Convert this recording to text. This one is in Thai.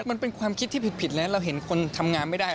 มันเป็นความคิดที่ผิดแล้วเราเห็นคนทำงานไม่ได้